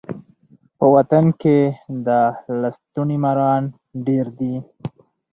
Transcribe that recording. په وطن کي د لستوڼي ماران ډیر دي.